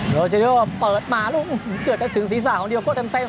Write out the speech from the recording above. โรเจโดเปิดมาลูกเกือบจะถึงศีรษะของเดียโก้เต็ม